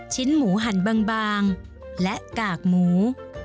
หมูหั่นบางและกากหมู